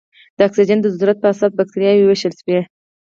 د اکسیجن د ضرورت په اساس بکټریاوې ویشل شوې.